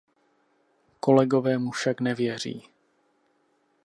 Kolegové mu však nevěří.